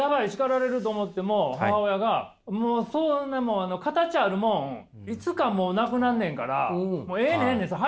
叱られる！と思っても母親が「もうそんなもん形あるもんいつかもう無くなるねんからもうええんねんええねん。